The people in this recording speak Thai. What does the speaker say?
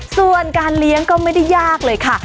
ส่วนการเลี้ยงก็ไม่ได้ยากเลยค่ะ